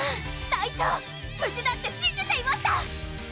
隊長無事だってしんじていました！